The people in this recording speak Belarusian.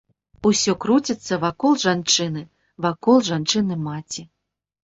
Усё круціцца вакол жанчыны, вакол жанчыны-маці.